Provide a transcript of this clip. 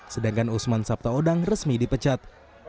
sedangkan usman sabtaodang resmi dipecat